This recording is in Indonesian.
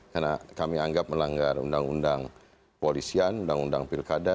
karena kami anggap melanggar undang undang polisian undang undang pilkada